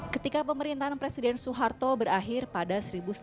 ketika pemerintahan presiden soeharto berakhir pada seribu sembilan ratus delapan puluh